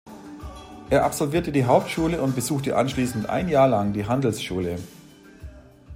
Er absolvierte die Hauptschule und besuchte anschließend ein Jahr lang die Handelsschule.